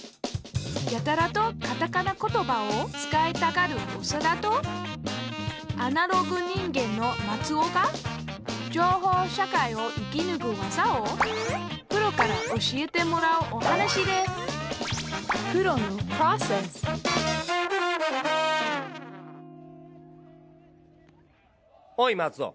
やたらとカタカナ言葉を使いたがるオサダとアナログ人間のマツオが情報社会を生きぬく技をプロから教えてもらうお話ですおいマツオ！